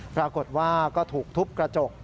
ปรากฏว่าก็ถูกทุบกระจก